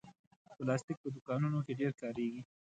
پلاستيک په دوکانونو کې ډېر کارېږي.